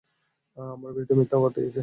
আমার বিরুদ্ধে মিথ্যা অপবাদ দিয়েছে।